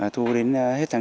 thu đến hết tháng chín